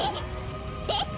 えっ？